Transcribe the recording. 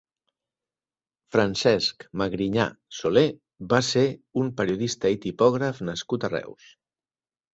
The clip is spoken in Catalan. Francesc Magrinyà Solé va ser un periodista i tipògraf nascut a Reus.